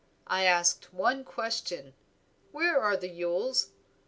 I asked one question, 'Where are the Yules?'